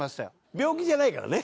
病気じゃないからね。